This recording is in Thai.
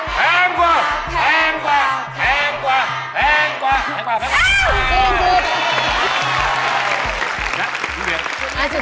แพงกว่า